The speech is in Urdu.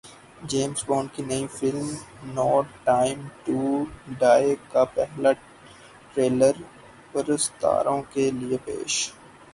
جیمزبانڈ کی نئی film no time to die کا پہلا ٹریلر پرستاروں کے لیے پیش